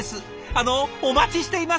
あのお待ちしています！